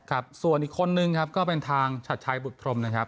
ครับส่วนอีกคนนึงครับก็เป็นทางชัดชัยบุตรพรมนะครับ